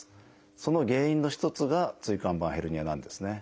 その原因の一つが椎間板ヘルニアなんですね。